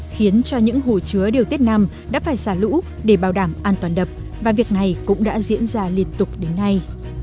khiến cho những hồ chứa điều tiết năm đã phải xả lũ để bảo đảm an toàn đập và việc này cũng đã diễn ra liên tục đến nay